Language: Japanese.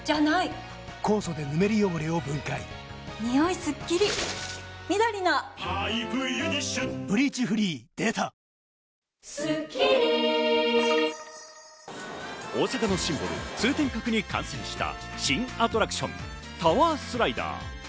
一般向けのオープンは来月９大阪のシンボル・通天閣に完成した新アトラクション、タワースライダー。